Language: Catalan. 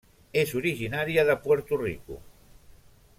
És originària de Puerto Rico.